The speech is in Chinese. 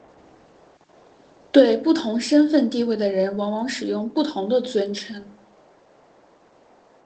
对不同身份地位的人往往使用不同的尊称。